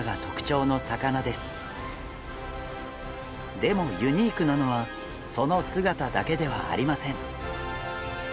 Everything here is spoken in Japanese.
でもユニークなのはその姿だけではありません。